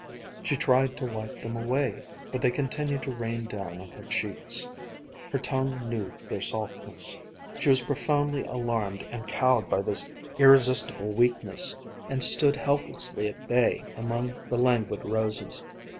She tried to wipe them away, but they continued to rain down on her cheeks. Her tongue knew their saltness. She was profoundly alarmed and cowed by this irresistible weakness, and stood helplessly at bay among the languid roses.